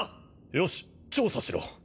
よし調査しろ。